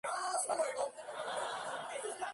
Esto enfadó a Alexander.